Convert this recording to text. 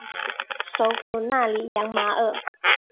首府纳里扬马尔。